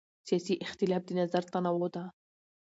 سیاسي اختلاف د نظر تنوع ده